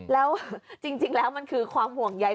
แล้วจริงแล้วความหวงใจ